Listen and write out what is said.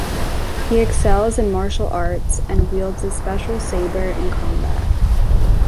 He excels in martial arts and wields a special saber in combat.